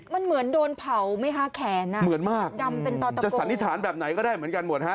มันเหมือนโดนเผาไหมคะแขนอ่ะเหมือนมากดำเป็นต่อจะสันนิษฐานแบบไหนก็ได้เหมือนกันหมดฮะ